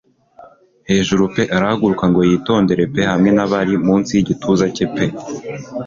Hejuru pe arahaguruka ngo yitondere pe hamwe na barri munsi yigituza cye pe